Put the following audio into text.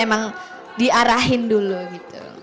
emang diarahin dulu gitu